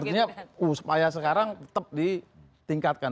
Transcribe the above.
artinya supaya sekarang tetap ditingkatkan